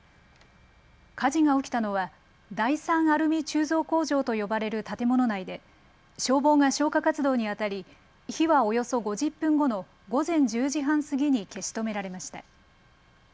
火事が起きたのは第３アルミ鋳造工場と呼ばれる建物内で消防が消火活動にあたり火はおよそ５０分後の午前１０時半過ぎに消し止められました。